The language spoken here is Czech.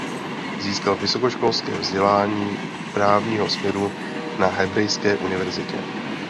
Získal vysokoškolské vzdělání právního směru na Hebrejské univerzitě.